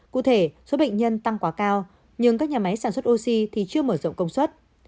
cụ thể số bệnh nhân tăng quá cao nhưng các nhà máy sản xuất oxy thì chưa mở rộng công suất